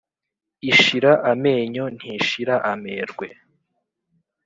Ishira amenyo ntishira amerwe.